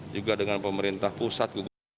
juga dengan pemerintah pusat